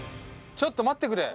ちょっと待ってくれ。